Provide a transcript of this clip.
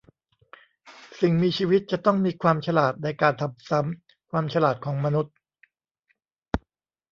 สิ่งมีชีวิตจะต้องมีความฉลาดในการทำซ้ำความฉลาดของมนุษย์